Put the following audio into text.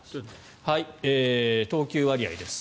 投球割合です。